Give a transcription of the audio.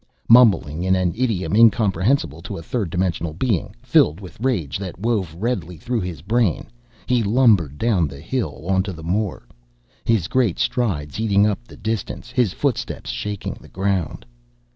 Mumbling in an idiom incomprehensible to a third dimensional being, filled with rage that wove redly through his brain, he lumbered down the hill onto the moor, his great strides eating up the distance, his footsteps shaking the ground.